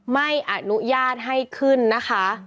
ไม่อนุญาตให้ขึ้นนะคะ